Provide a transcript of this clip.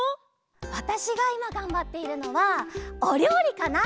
わたしがいまがんばっているのはおりょうりかな！